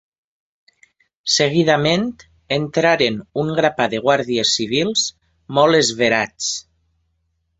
Seguidament entraren un grapat de guàrdies civils molt esverats.